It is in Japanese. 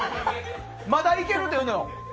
まだいけるというのを？